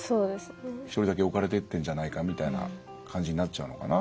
一人だけ置かれてってんじゃないかって感じになっちゃうのかな。